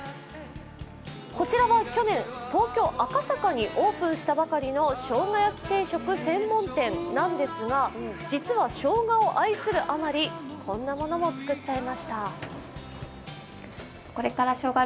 こちらは去年、東京・赤坂にオープンしたばかりのしょうが焼き定食専門店なんですが、実はしょうがを愛するあまりこんなものも作っちゃいました。